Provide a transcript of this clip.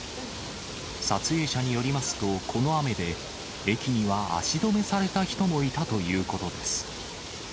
撮影者によりますと、この雨で駅には足止めされた人もいたということです。